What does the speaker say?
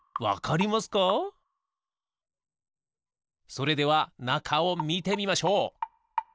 それではなかをみてみましょう！